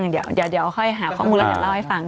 เดี๋ยวค่อยหาข้อมูลแล้วเดี๋ยวเล่าให้ฟัง